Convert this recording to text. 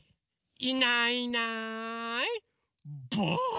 いないいないばあっ！